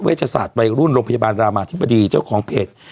ชศาสตร์วัยรุ่นโรงพยาบาลรามาธิบดีเจ้าของเพจ